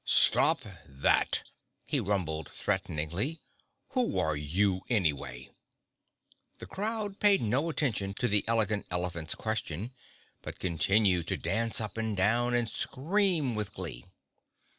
"Stop that!" he rumbled threateningly. "Who are you anyway?" The crowd paid no attention to the Elegant Elephant's question, but continued to dance up and down and scream with glee.